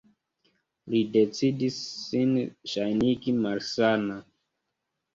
Li decidis sin ŝajnigi malsana.